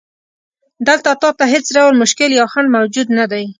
دلته تا ته هیڅ ډول مشکل یا خنډ موجود نه دی.